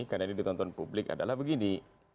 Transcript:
karena ini ditonton publik adalah begini